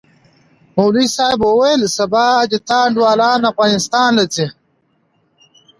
مولوي صاحب وويل سبا د تا انډيوالان افغانستان له زي.